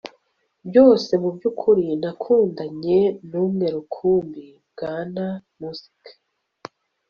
byose mubyukuri nakundanye numwe rukumbi bwana muscle